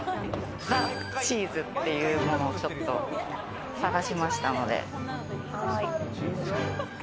ザ・チーズっていうものを、ちょっと探しましたので。